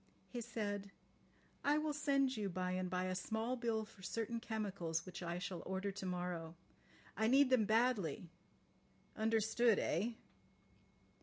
He said: "I will send you by and by a small bill for certain chemicals which I shall order to morrow. I need them badly. Understood—eh?"